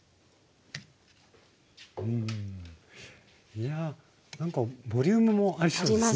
いやなんかボリュームもありそうですね。